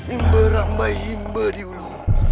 imbe rambai imbe di ulu